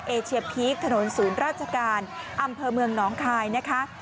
เอเชียพีคถนนศูนย์ราชการอำเภอเมืองน้องคายนะคะ